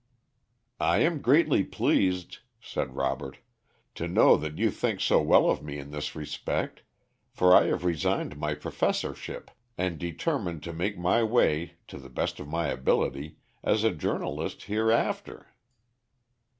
"I am greatly pleased," said Robert, "to know that you think so well of me in this respect, for I have resigned my professorship and determined to make my way, to the best of my ability, as a journalist, hereafter?"